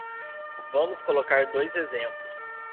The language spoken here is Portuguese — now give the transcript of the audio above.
Vamos colocar dois exemplos.